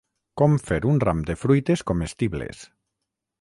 Com fer un ram de fruites comestibles.